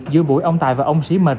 giữa buổi ông tài và ông sĩ mệt